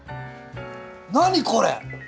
何これ？